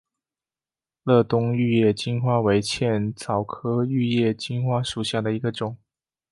乐东玉叶金花为茜草科玉叶金花属下的一个种。